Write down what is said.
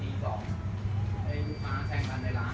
ให้ลูกค้าแทงกันในร้าน